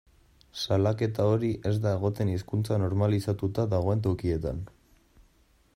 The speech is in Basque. Salaketa hori ez da egoten hizkuntza normalizatuta dagoen tokietan.